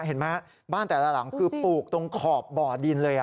เห็นไหมบ้านแต่ละหลังคือปลูกตรงขอบบ่อดินเลย